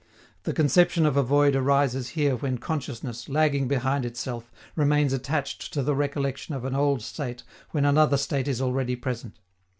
The conception of a void arises here when consciousness, lagging behind itself, remains attached to the recollection of an old state when another state is already present.